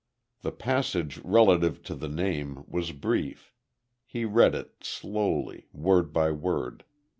The passage relative to the name was brief. He read it, slowly, word by word.